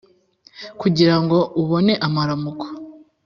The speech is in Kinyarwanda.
kugira ngo ubone amaramuko.